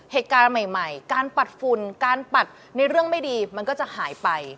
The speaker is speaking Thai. เหตุการณ์ใหม่การปัดฝุ่นการปัดในเรื่องไม่ดีมันก็จะหายไป